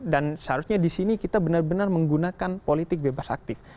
dan seharusnya di sini kita benar benar menggunakan politik bebas aktif